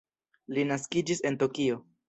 Li naskiĝis en Tokio.